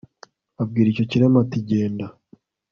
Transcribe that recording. abwira icyo kirema ati ngenda